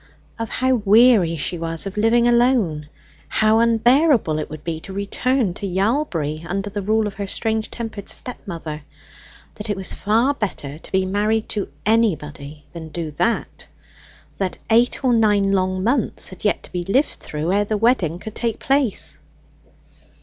Of how weary she was of living alone: how unbearable it would be to return to Yalbury under the rule of her strange tempered step mother; that it was far better to be married to anybody than do that; that eight or nine long months had yet to be lived through ere the wedding could take place.